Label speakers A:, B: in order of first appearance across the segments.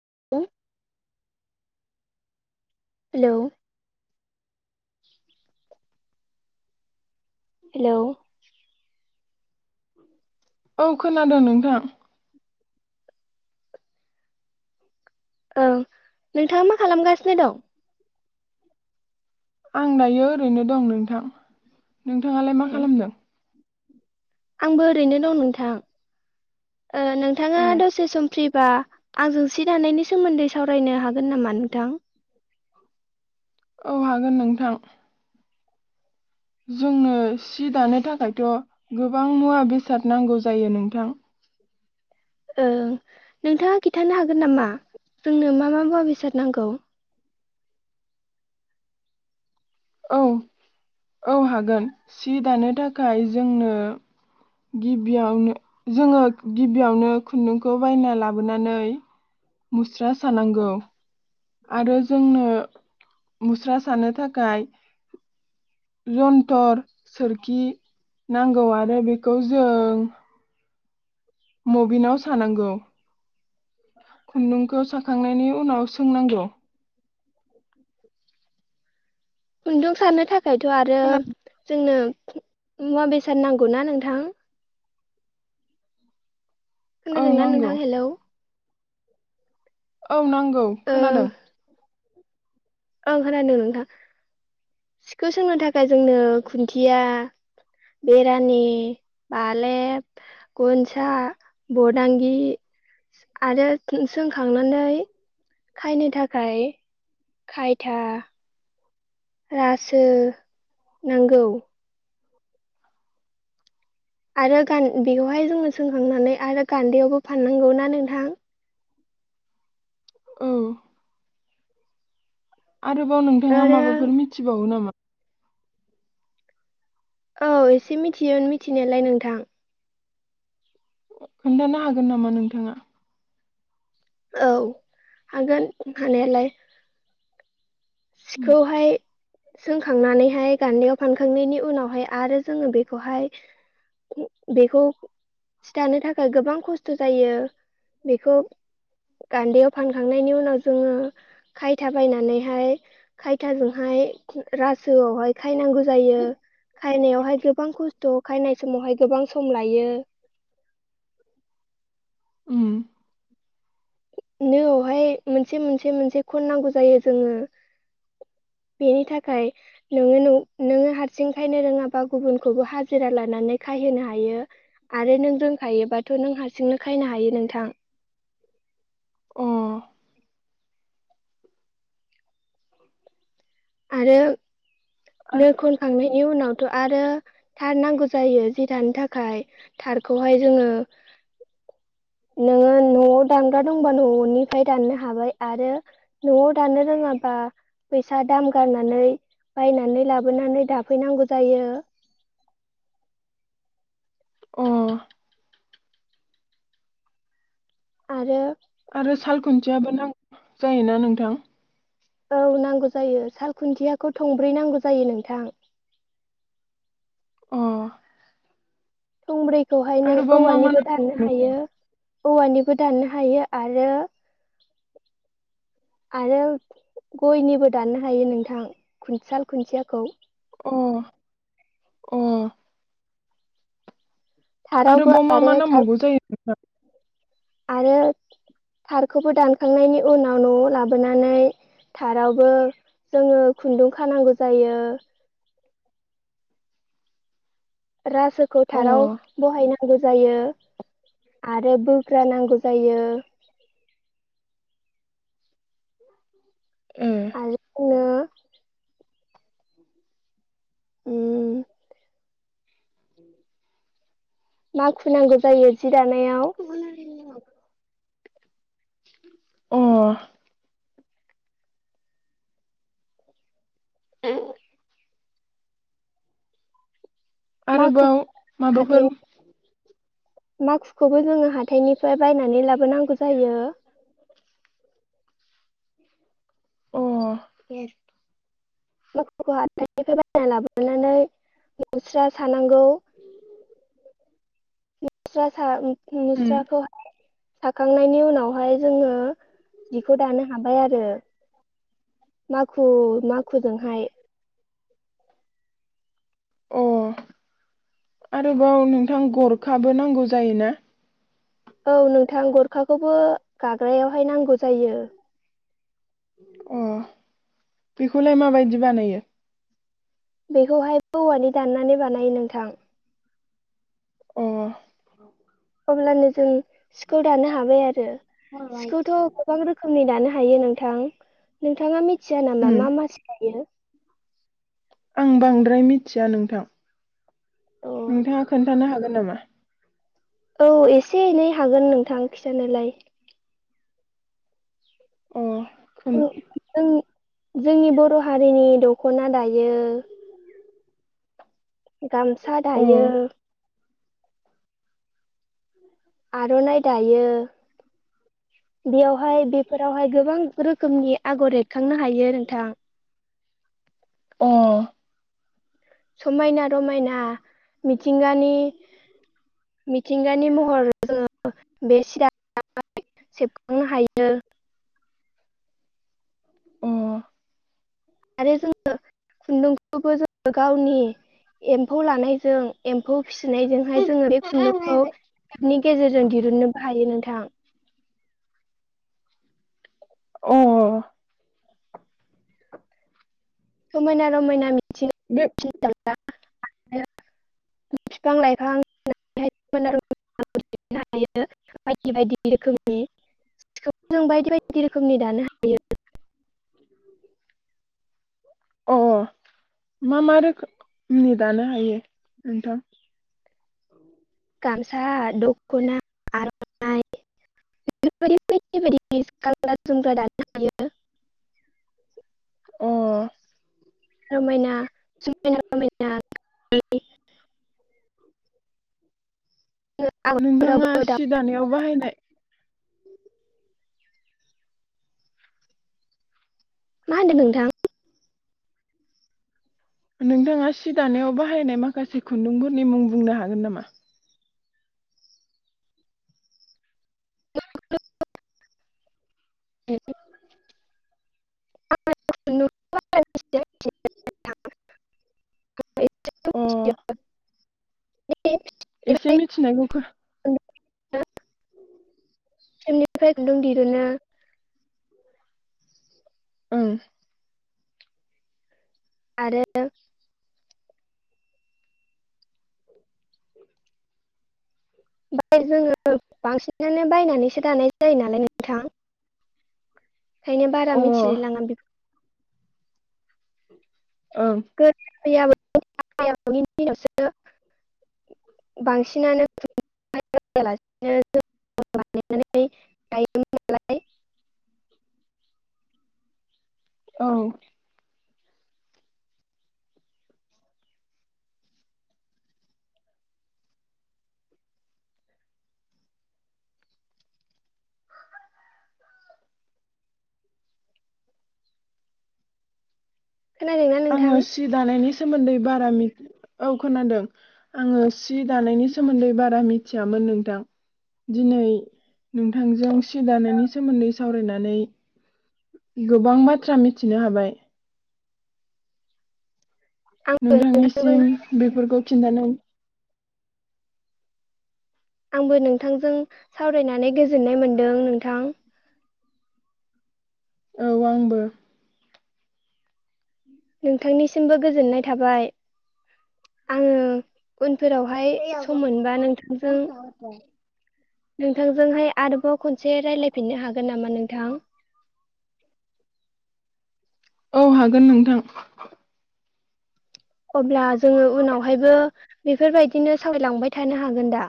A: [unintelligible] हेल' hello
B: औ खोनादों नोंथां।
A: औ नोंथाङा मा खालामगासिनो दं?
B: आं दायो ओरैनो दं नोंथां। नोंथाङालाय मा
A: ए
B: खालामदों?
A: आंबो ओरैनो दं नोंथां। ओ नोंथाङा
B: ए
A: दसे सम फ्रि बा आंजों सि दानायनि सोमोन्दै सावरायनो हागोन नामा नोंथां?
B: औ हागोन नोंथां। जोंनो सि दानो थाखायथ' गोबां मुवा बेसाद नांगौ जायो नोंथां।
A: ओं नोंथाङा खिन्थानो हागोन नामा जोंनो मा मा मुवा बेसाद नांगौ?
B: औ औ हागोन सि दानो थाखाय जोंनो गिबियावनो जोङो गिबियावनो खुन्दुंखौ बायना लाबोनानै मुस्रा सानांगौ। आरो जोंनो मुस्रा सानो थाखाय जन्थर सोरखि नांगौ आरो बेखौ जों मबिनाव सानांगौ। खुन्दुंखौ साखांनायनि उनाव सोंनांगौ।
A: खुन्दुं साननो थाखा थाखायथ' आरो
B: खोना
A: जोंनो मुवा बेसाद नांगौ ना नोंथां?
B: औ
A: खोनादोंना
B: नांगौ
A: नोंथां हेल?
B: औ नां औ
A: ओ
B: खोनादों।
A: ओं खोनादों नोंथां सिखौ सोंनो थाखाय जोंनो खुन्थिया बेरानि बालेब गनसा बदांगि आरो सोंखांनानै खायनो थाखाय खायथा रासो नांगौ। आरो गान बेखौहाय जोङो सोंखांनानै आरो गान्दैयावबो फाननांगौ ना नोंथां?
B: औ। आरोबाव नोंथाङा
A: आरो
B: माबाफोर मिथिबावो नामा?
A: औ एसे मिथियो मिथिनायालाय नोंथां।
B: खोन्थानो हागोन नामा नोंथाङा?
A: औ हागोन हानायालाय।
B: उम
A: सिखौहाय सोंखांनानै हाय गान्दैयाव फानखांनायनि उनावहाय आरो जोङो बेखौहाय बेखौ सिथानो थाखाय गोबां खस्थ' जायो। बेखौ गान्दैयाव फानखांनायनि उनाव जोङो खायथा बायनानैहाय खायथा जों हाय रासोआवहाय खायनांगौ जायो। खायनायावहाय गोबां खस्थ' खायनाय समावहाय गोबां सम लायो।
B: उम।
A: नोआवहाय मोनसे मोनसे मोनसे खननांगौ जायो जोङो। बेनि थाखाय नोङो नों नोङो हारसिं खायनो रोङाबा गुबुनखौबो हाजिरा लानानै खायहोनो हायो। आरो नों रोंखायोबाथ' नों हारसिंनो खायनो हायो नोंथां।
B: अ।
A: आरो नो
B: आरो
A: खनखांनायनि उनाव थ' आरो थार नांगौ जायो जि दानो थाखाय। थारखौहाय जोङो नोङो न'आव दानग्रा दंबा न'निफ्राय दाननो हाबाय आरो न'आव दाननो रोङाबा फैसा दाम गारनानै बायनानै लाबोनानै दाफैनांगौ जायो।
B: अ।
A: आरो
B: आरो साल खुन्थियाबो नांगौ जायोना नोंथां?
A: औ नांगौ जायो साल खुन्थियाखौ थंब्रै नांगौ जायो नोंथां।
B: अ।
A: थंब्रै खौहाय नों
B: आरोबाव मा मा
A: औवानिबो दाननो
B: नां
A: हायो। औवानिबो दाननो हायो आरो आरो गयनिबो दाननो हायो नोंथां खुन साल खुन्थियाखौ।
B: अ अ।
A: थारावबो
B: आरोबाव मामा
A: आरो
B: नांबावगौ जायो [unintelligible]
A: आरो थारखौबो दानखांनायनि उनाव न'आव लाबोनानै थारावबो जोङो खुन्दुं खानांगौ जायो। रासोखौ
B: अ
A: थाराव बहायनांगौ जायो आरो बोग्रा नांगौ जायो।
B: [inaudible]
A: आरो [unintelligible] उम
B: [inaudible]
A: माखु नांगौ जायो जि दानायाव।
B: अ। [unintelligible]
A: माखु
B: आरोबाव माबाफोर
A: माकुखौबो जोङो हाथायनिफ्राय बायनानै लाबोनांगौ जायो।
B: अह
A: माकुखौ हाथाइनिफ्राय बायना लाबोनानै मुस्रा सानांगौ। मुस्रा सा
B: उम
A: मुस्राखौ साखांनायनि उनावहाय जोङो जिखौ दानो हाबाय आरो माखु माखुजोंहाय
B: अ आरोबाव नोंथां गरखाबो नांगौ जायोना
A: औ नोंथां गरखाखौबो गाग्रायावहाय नांगौ जायो।
B: अह बेखौलाय माबायदि बानायो
A: बेखौहाय औवानि दाननानै बानायो नोंथां
B: एह
A: अब्लानो जों सिखौ दानो हाबाय आरो सिखौथ' गोबां रोखोमनि दानो हा हायो नोंथां मिथिया नामा
B: उम
A: मा मा सि दायो?
B: आं बांद्राय मिथिया नोंथां
A: औ
B: नोंथाङा खोन्थानो हागोन! नामा
A: औ एसे एनै हागोन नोंथां खिथानोलाय
B: एह खोन
A: जों जोंनि बर' हारिनि दख'ना दायो। गामसा
B: अ
A: दायो। आर'नाइ दायो बेयावहाय बेफोरावहाय गोबां रोखोमनि आगर एर खांनो हायो नोंथां
B: अ
A: समायना रमायना मिथिंगानि मिथिंगानि महर जोङो बे सिआव सेबखांनो हायो।
B: अ
A: आरो जोङो खुन्दुंखौबो जोङो गावनि एम्फौ लानायजों एम्फौ फिसिनाय जोंहाय जोङो बे खुन्दुंखौ केपनि गेजेरजों दिहुननोबो हायो नोंथां। थां।
B: अ।
A: समायना रमायना। [inaudible]
B: बे
A: आरो बिफां लाइफांनो हायो बायदि बायदि रोखोमनि। जों बायदि बायदि रोखोमनि दानो हायो। हाथों।
B: अ मा मा रोखोमनि दानो हायो नोंथां?
A: गामसा, दख'ना, आर'नाइ [unintelligible] गानग्रा जोमग्रा दानो हायो।
B: अ
A: रमायना, समायना रमायना [unintelligible]
B: नोंथाङा
A: आगरफोरावबो दा
B: सि दानायाव बाहायनाय
A: मा होन्दों नोंथां?
B: नोंथाङा सि दानायाव बाहायनाय माखासे खुन्दुंफोरनि मुं बुंनो हागोन नामा?
A: [unintelligible]
B: अह। एसे
A: फिथोबनिफ्राय
B: मिथिनायखौ ख
A: [unintelligible] दिरुनो।
B: उम।
A: आरो ओमफाय जोङो बांसिनानो बायनानैसो दानाय जायो नालाय नोंथां ओंखायनो बारा
B: ओं
A: मिथिलायलाङा बि
B: [inaudible]
A: [unintelligible] [unintelligible] बांसिनानो [unintelligible]
B: औ।
A: खोनादोंना नोंथां
B: आङो सि दानायनि सोमोन्दै बारा मि औ खोनादों। आङो सि दानायनि सोमोन्दै बारा मिथियामोन नोंथां दिनै नोंथांजों सि दानायनि सोमोन्दै सावरायनानै गोबां बाथ्रा मिथिनो हाबाय।
A: आं
B: नोंथांनिसिम
A: नोंथांजोंहाय
B: बेफोरखौ खिन्थानो
A: आंबो नोंथांजों सावरायनानै गोजोननाय मोनदों नोंथां।
B: औ आंबो।
A: नोंथांनिसिमबो गोजोननाय थाबाय। आङो उन फोरावहाय सम मोनबा नोंथांजों नोंथांजोंहाय आरोबाव खनसे रायलायफिनो हागोन नामा नों थां?
B: औ हागोन नोंथां।
A: अब्ला जोङो उनावहायबो बेफोरबायदिनो सावरायलांबाय थानो हागोन दा?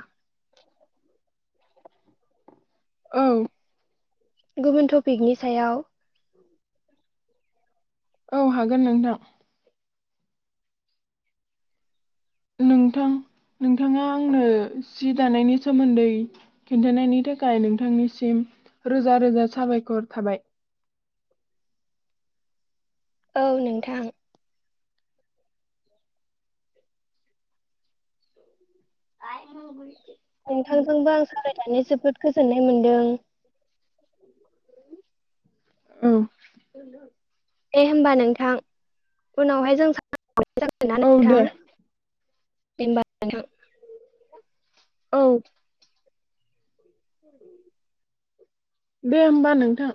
B: औ।
A: गुबुन टपिकनि सायाव।
B: औ हागोन नोंथां। नोंथां नोंथाङा आंनो सि दानायनि सोमोन्दै खिन्थानायनि थाखाय नोंथांनिसिम रोजा रोजा साबायखर थाबाय।
A: औ नोंथां।
B: [inaudible]
A: नोंथांजोंबो दों।
B: औ।
A: दे होमबा नोंथां उनावहाय जों सा [unintelligible] जागोनना
B: औ
A: नोंथां?
B: दे
A: दे होमबा नोंथां।
B: औ दे होमबा नोंथां